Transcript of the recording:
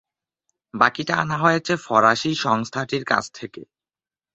বাকিটা আনা হয়েছে ফরাসি সংস্থাটির কাছ থেকে।